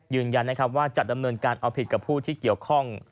ยืนยันนะครับว่าจะดำเนินการเอาผิดกับผู้ที่เกี่ยวข้อง